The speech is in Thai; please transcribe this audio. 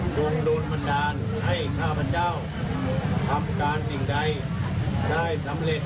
คงโดนบันดาลให้ข้าพเจ้าทำการสิ่งใดได้สำเร็จ